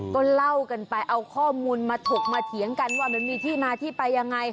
ก็เล่ากันไปเอาข้อมูลมาถกมาเถียงกันว่ามันมีที่มาที่ไปยังไง